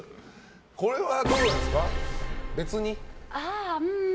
これはどうですか？